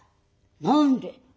「何で？」。